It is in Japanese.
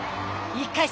１回戦